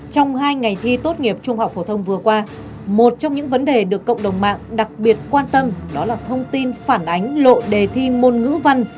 trong hai ngày thi tốt nghiệp trung học phổ thông vừa qua một trong những vấn đề được cộng đồng mạng đặc biệt quan tâm đó là thông tin phản ánh lộ đề thi môn ngữ văn